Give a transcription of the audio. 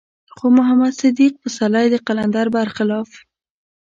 خو محمد صديق پسرلی د قلندر بر خلاف.